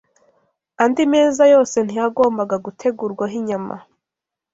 Andi meza yose ntiyagombaga gutegurwaho inyama.